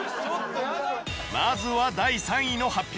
まずは第３位の発表。